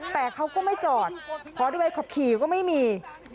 แต่เขาก็ไม่จอดเพราะที่ไว้ขับขี่ก็ไม่มี